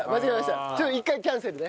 ちょっと一回キャンセルね。